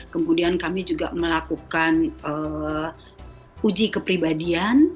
kemudian kami juga melakukan uji kepribadian